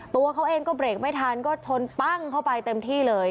ตัวเขาเองก็เบรกไม่ทันก็ชนปั้งเข้าไปเต็มที่เลย